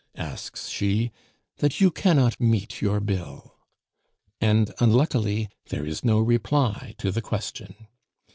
asks she, "that you cannot meet your bill?" and, unluckily, there is no reply to the question.